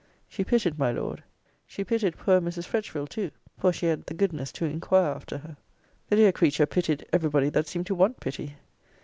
She pitied my Lord. She pitied poor Mrs. Fretchville too; for she had the goodness to inquire after her. The dear creature pitied every body that seemed to want pity.